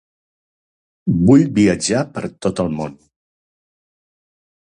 Vull viatjar per tot el món.